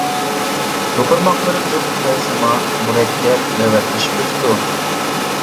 يوپۇرماقلىرى جۈپ پەيسىمان، مۇرەككەپ، نۆۋەتلىشىپ ئۆسىدۇ.